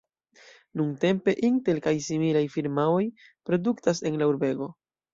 Nuntempe Intel kaj similaj firmaoj produktas en la urbego.